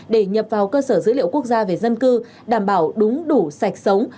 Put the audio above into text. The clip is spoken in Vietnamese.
để nhập vào cơ sở dữ liệu quốc gia về dân cư đảm bảo đúng đủ sạch sống